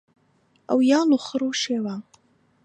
ئەو یاڵ و خڕ و شیوە